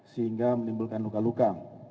sehingga menimbulkan luka luka